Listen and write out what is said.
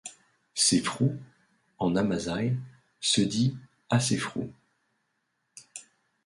Séfrou, en amazigh, se dit AsSéfrou.